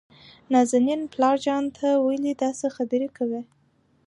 نازنين: پلار جانه ته ولې داسې خبرې کوي؟